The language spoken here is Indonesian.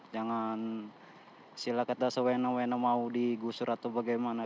jangan silakan kita sewenuh wenuh mau digusur atau bagaimana